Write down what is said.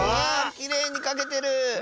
きれいにかけてる！